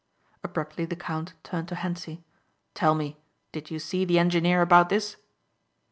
Abruptly the count turned to Hentzi. "Tell me, did you see the engineer about this?"